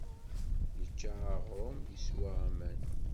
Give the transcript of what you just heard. Yečča aɣrum, yeswa aman.